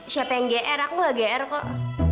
siapa yang geer aku gak geer kok